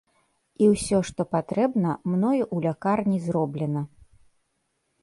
І ўсё, што патрэбна, мною ў лякарні зроблена.